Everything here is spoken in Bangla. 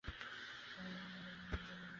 কোনো চাকর তাঁহার আর দীর্ঘকাল পছন্দ হয় না।